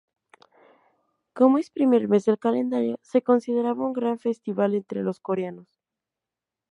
Como es primer mes del calendario, se consideraba un gran festival entre los coreanos.